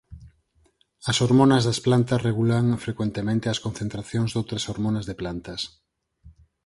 As hormonas das plantas regulan frecuentemente as concentracións doutras hormonas de plantas.